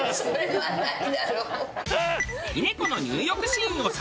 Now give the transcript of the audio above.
はい。